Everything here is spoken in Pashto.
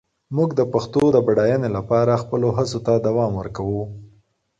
موږ د پښتو د بډاینې لپاره خپلو هڅو ته دوام ورکوو.